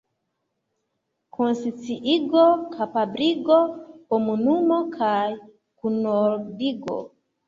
konsciigo, kapabligo, komunumo kaj kunordigo.